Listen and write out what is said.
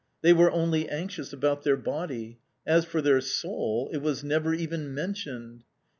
They were only anxious about their body — as for their soul — it was never even mentioned